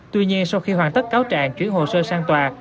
tuy nhiên sau khi hoàn tất cáo trạng chuyển hồ sơ sang tòa